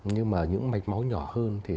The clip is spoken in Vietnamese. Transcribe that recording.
nhưng mà những mạch máu nhỏ hơn thì